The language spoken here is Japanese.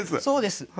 そうです